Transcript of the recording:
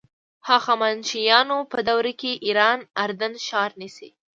هخامنشیانو په دوره کې ایران اردن ښار نیسي.